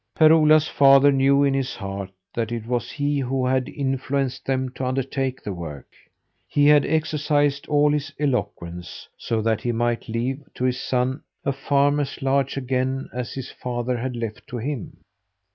Per Ola's father knew in his heart that it was he who had influenced them to undertake the work. He had exercised all his eloquence, so that he might leave to his son a farm as large again as his father had left to him.